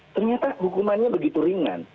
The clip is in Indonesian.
ternyata hukumannya begitu ringan